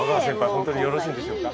ホントによろしいんでしょうか？